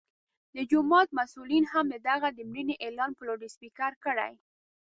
د جومات مسؤلینو هم د هغه د مړینې اعلان په لوډسپیکر کړی.